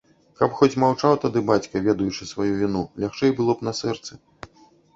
Каб хоць маўчаў тады бацька, ведаючы сваю віну, лягчэй было б на сэрцы.